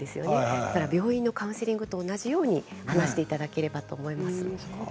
だから病院のカウンセリングと同じように話していただければと思います。